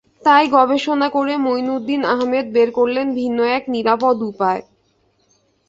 তাই গবেষণা করে মাইনউদ্দীন আহমেদ বের করলেন ভিন্ন এক নিরাপদ উপায়।